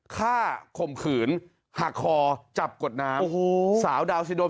ข่มขืนหักคอจับกดน้ำโอ้โหสาวดาวซิโดม